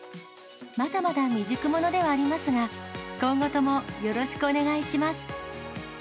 まだまだ未熟者ではありますが、今後とも、よろしくお願いします。